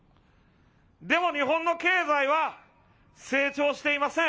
でも日本の経済は成長していません。